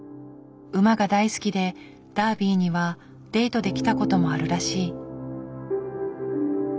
馬が大好きでダービーにはデートで来た事もあるらしい。